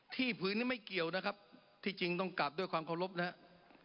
ผืนนี้ไม่เกี่ยวนะครับที่จริงต้องกลับด้วยความเคารพนะครับ